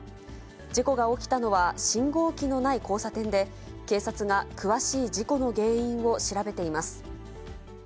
事故が起きたのは、信号機のない交差点で、警察が詳しい事故の原因を調べています。